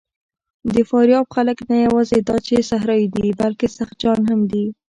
د فاریاب خلک نه یواځې دا چې صحرايي دي، بلکې سخت جان هم دي.